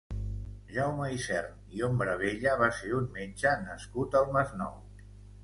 Jaume Isern i Hombravella va ser un metge nascut al Masnou.